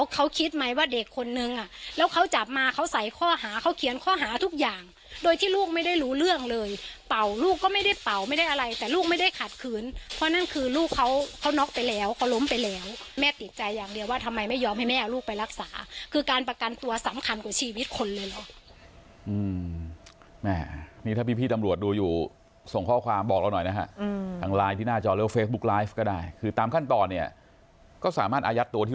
เขาคิดไหมว่าเด็กคนนึงอ่ะแล้วเขาจับมาเขาใส่ข้อหาเขาเขียนข้อหาทุกอย่างโดยที่ลูกไม่ได้รู้เรื่องเลยเป่าลูกก็ไม่ได้เป่าไม่ได้อะไรแต่ลูกไม่ได้ขาดขืนเพราะนั่นคือลูกเขาน็อคไปแล้วเขาล้มไปแล้วแม่ติดใจอย่างเดียวว่าทำไมไม่ยอมให้แม่ลูกไปรักษาคือการประกันตัวสำคัญกว่าชีวิตคนเลยหรอแม่นี่ถ้าพี่